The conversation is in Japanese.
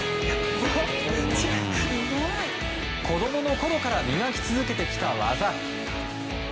子供のころから磨き続けてきた技。